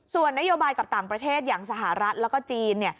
ส่วนนโยบายกับต่างประเทศอย่างสหรัฐแล้วก็จีน